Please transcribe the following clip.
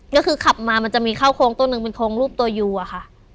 ก็คือขับมามันจะมีข้าวโครงต้นหนึ่งเป็นโครงรูปตัวยูอะค่ะ